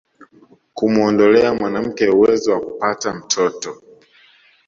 kumuondolea mwanamke uwezo wa kupata mtoto